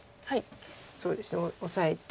そうですねオサえて。